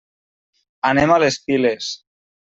Anem a les Piles.